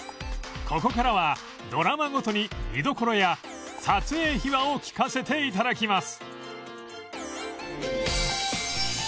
ここからはドラマごとに見どころや撮影秘話を聞かせていただきます